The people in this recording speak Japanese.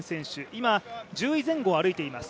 今、１０位前後を歩いています。